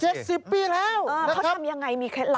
เจ็บสิบปีแล้วนะครับเขาทำอย่างไรมีเคล็ดลักษณ์ไหม